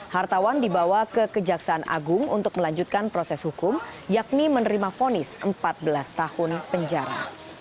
hartawan dibawa ke kejaksaan agung untuk melanjutkan proses hukum yakni menerima fonis empat belas tahun penjara